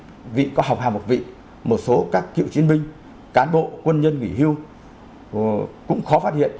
và ngay cả những vị có học hàm một vị một số các cựu chiến binh cán bộ quân nhân nghỉ hưu cũng khó phát hiện